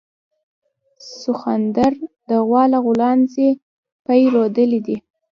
سخوندر د غوا له غولانځې پی رودلي دي